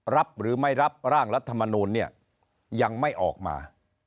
รับหรือไม่รับร่างรัฐมนูลเนี่ยยังไม่ออกมา